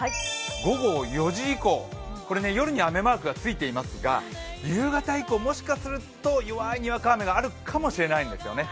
午後４時以降、これ、夜に雨マークがついていますが夕方以降、もしかすると弱いにわか雨があるかもしれないんですよね。